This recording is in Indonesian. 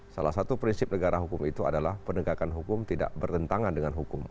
salah satu prinsip negara hukum itu adalah penegakan hukum tidak bertentangan dengan hukum